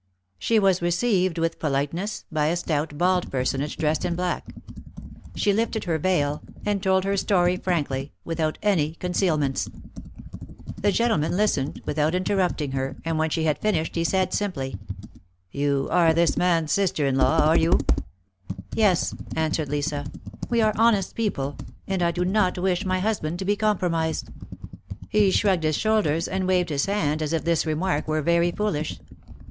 She was received with politeness by a stout, bald per sonage dressed in black. She lifted her veil, and told her story frankly, without any concealments. The gentleman listened, without interrupting her, and, when she had finished, he said, simply: 276 THE MAEKETS OF PARIS. You are this man's sister in law, are you ?" Yes/' 'answered Lisa, " we are honest people, and I do not wish my husband to be compromised." He shrugged his shoulders and waved his hand as if this remark were very foolish.